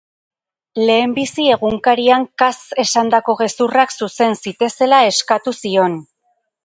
Lehenbizi egunkarian Kaz esandako gezurrak zuzen zitezela eskatu zion.